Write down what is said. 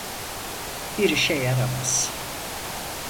Bir işe yaramaz.